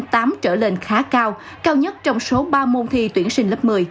tỷ lệ học sinh đạt điểm tám trở lên khá cao cao nhất trong số ba môn thi tuyển sinh lớp một mươi